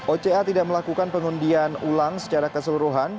oca tidak melakukan pengundian ulang secara keseluruhan